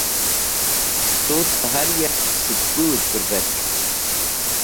Tut dẽ har yark sẽk pudh pẽrvetk